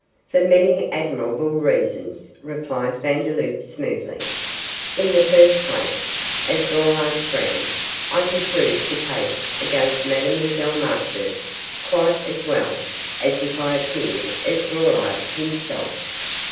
'For many admirable reasons,' replied Vandeloup, smoothly. 'In the first place, as Braulard's friend, I can prove the case against Mademoiselle Marchurst quite as well as if I appeared as Braulard himself.